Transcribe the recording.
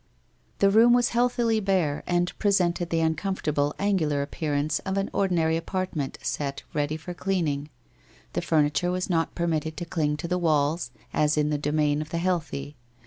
The room was healthily bare, and presented the un comfortable angular appearance of an ordinary apart ment set ready for cleaning. The furniture was not per mitted to cling to the walls, as in the domain of the healthy.